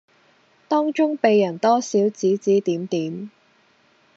當中被人多少指指點點